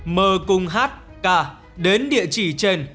m cùng h k đến địa chỉ trên